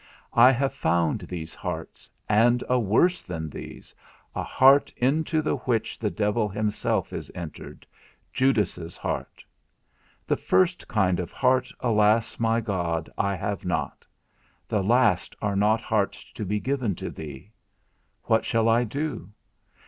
I have found these hearts, and a worse than these, a heart into the which the devil himself is entered, Judas's heart. The first kind of heart, alas, my God, I have not; the last are not hearts to be given to thee. What shall I do?